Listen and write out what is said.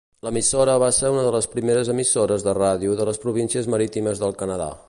L'emissora va ser una de les primeres emissores de ràdio de les Províncies Marítimes del Canadà.